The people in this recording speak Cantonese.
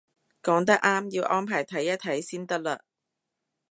講得啱，要安排睇一睇先得嘞